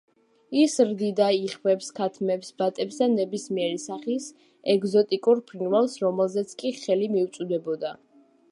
ის ზრდიდა იხვებს, ქათმებს, ბატებს და ნებისმიერი სახის ეგზოტიკურ ფრინველს, რომელზეც კი ხელი მიუწვდებოდა.